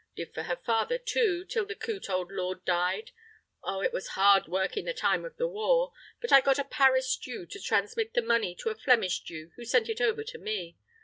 Did for her father, too, till the coot old lord died. Oh! it was hard work in the time of the war; but I got a Paris Jew to transmit the money to a Flemish Jew, who sent it over to me.